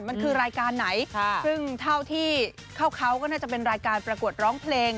มันคือรายการไหนซึ่งเท่าที่เข้าเขาก็น่าจะเป็นรายการประกวดร้องเพลง